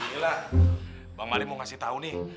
ini lah bang malik mau ngasih tau nih